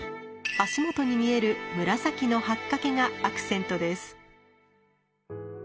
足元に見える紫の八掛がアクセントです。